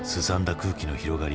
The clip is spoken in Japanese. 空気の広がり。